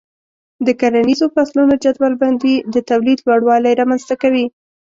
د کرنیزو فصلونو جدول بندي د تولید لوړوالی رامنځته کوي.